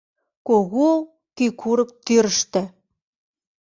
Кугу кӱ курык тӱрыштӧ